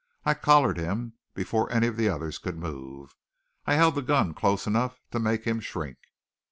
I collared him before any of the others could move, and I held the gun close enough to make him shrink.